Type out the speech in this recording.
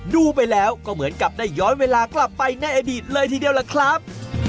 ดูไปแล้วก็เหมือนกับได้ย้อนเวลากลับไปในอดีตเลยทีเดียวล่ะครับ